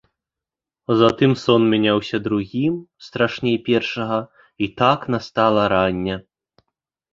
Затым сон мяняўся другім, страшней першага, і так настала ранне.